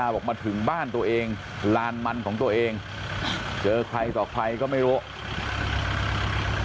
บอกมาถึงบ้านตัวเองลานมันของตัวเองเจอใครต่อใครก็ไม่รู้